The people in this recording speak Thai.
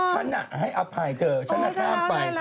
อ๋อฉันน่ะให้อภัยเธอฉันน่ะข้ามไป